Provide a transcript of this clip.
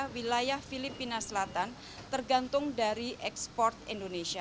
wilayah filipina selatan tergantung dari ekspor indonesia